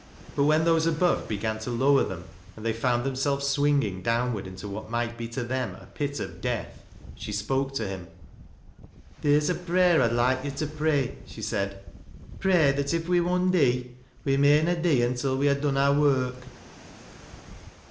But when those above began to lower them, and they found themselves swinging downward into what might be to them a pit of death, she spoke to him. " Theer's a prayer I'd loike yo' to pray," she said. " Pray that if we mun dee, we may na dee until we ha' done our work."